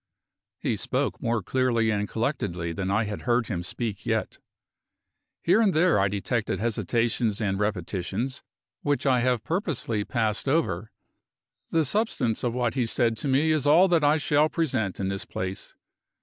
He spoke more clearly and collectedly than I had heard him speak yet. Here and there I detected hesitations and repetitions, which I have purposely passed over. The substance of what he said to me is all that I shall present in this place.